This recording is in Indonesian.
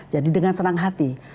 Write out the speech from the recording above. jadi dengan senang hati